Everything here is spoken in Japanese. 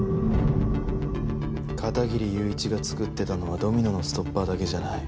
片切友一が作ってたのはドミノのストッパーだけじゃない。